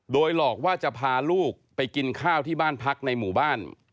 โดยหลอกว่าจะพาลูกไปกินข้าวที่บ้านพักในหมู่บ้าน